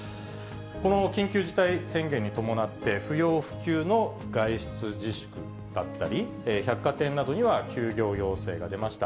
この緊急事態宣言に伴って、不要不急の外出自粛だったり、百貨店などには休業要請が出ました。